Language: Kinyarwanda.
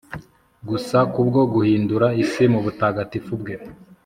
gusa kubwo guhindura isi mubutagatifu bwe